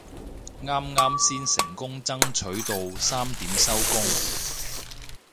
啱啱先成功爭取到三點收工